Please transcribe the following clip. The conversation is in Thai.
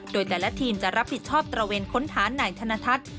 โดยแต่ละทีมจะรับผิดชอบตระเวนค้นหานายธนทัศน์